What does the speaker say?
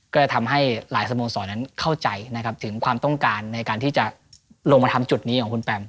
ก็จะทำให้หลายสโมสรนั้นเข้าใจนะครับถึงความต้องการในการที่จะลงมาทำจุดนี้ของคุณแปม